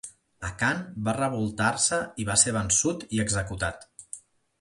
A Khan va revoltar-se i va ser vençut i executat.